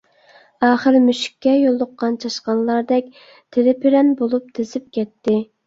ئاخىر مۈشۈككە يولۇققان چاشقانلاردەك تىرىپىرەن بولۇپ تېزىپ كەتتى.